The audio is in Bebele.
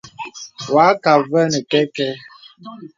Wà àkə avɛ nə kɛ̄kɛ.